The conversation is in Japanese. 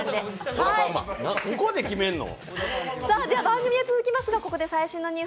ここで決めんの？